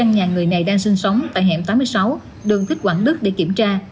người này đang sinh sống tại hẻm tám mươi sáu đường thích quảng đức để kiểm tra